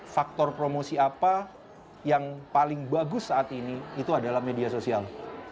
faktor promosi apa yang paling bagus saat ini itu adalah media sosial